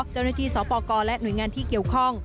เจ้าหน้าที่ศปกและหน่วยงานที่เกี่ยวข้อง